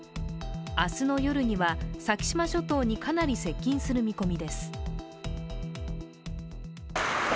明日の夜には、先島諸島にかなり接近する見込みです。